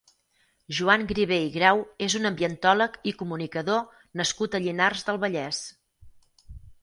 Joan Grivé i Grau és un ambientòleg i comunicador nascut a Llinars del Vallès.